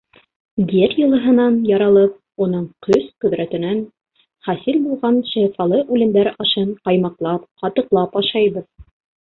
Ер йылыһынан яралып, уның көс-ҡөҙрәтенән хасил булған шифалы үләндәр ашын ҡаймаҡлап, ҡатыҡлап ашайбыҙ.